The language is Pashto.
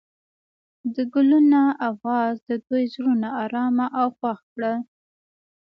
د ګلونه اواز د دوی زړونه ارامه او خوښ کړل.